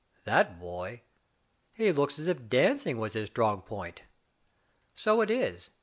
"That boy! He looks as if dancing was his strong point." "So it is.